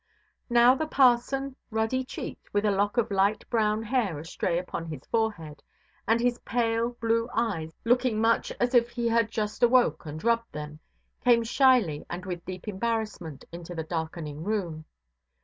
Now the parson, ruddy cheeked, with a lock of light brown hair astray upon his forehead, and his pale, blue eyes looking much as if he had just awoke and rubbed them, came shyly and with deep embarrassment into the darkening room.